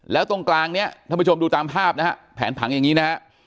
แล้วตรงกลางเนี่ยท่านผู้ชมดูตามภาพนะฮะแผนผังอย่างนี้นะฮะ